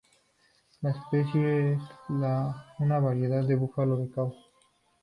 Esta especie es una variedad del búfalo del Cabo.